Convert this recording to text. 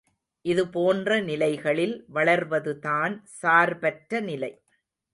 இது போன்ற நிலைகளில் வளர்வதுதான் சார்பற்ற நிலை.